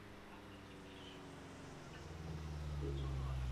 波叶异木患为无患子科异木患属下的一个种。